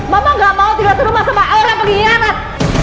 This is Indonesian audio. mama gak mau tinggal di rumah sama orang pengkhianat